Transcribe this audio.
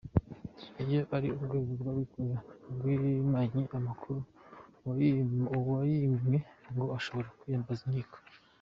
Iyo ari urwego rw’abikorera rwimanye amakuru, uwayimwe ngo ashobora kwiyambaza inkiko.